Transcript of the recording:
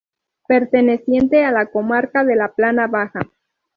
Perteneciente a la comarca de la Plana Baja.